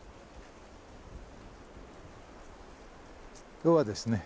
今日はですね